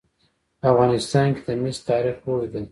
په افغانستان کې د مس تاریخ اوږد دی.